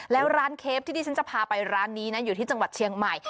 แล้วร้านเคฟที่ที่ฉันจะพาไปร้านนี้นะอยู่ที่จังหวัดเชียงใหม่